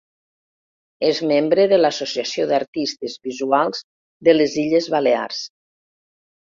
És membre de l'Associació d'Artistes Visuals de les Illes Balears.